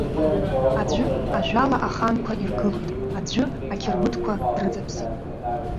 Аӡәы ажәала аханқәа иргылоит, аӡәы ақьырмытқәа дрыҵаԥсит.